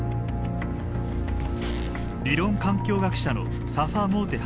理論環境学者のサファ・モーテ博士。